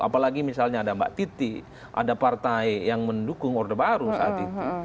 apalagi misalnya ada mbak titi ada partai yang mendukung orde baru saat itu